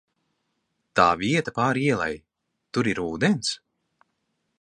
Tā vieta pāri ielai, tur ir ūdens?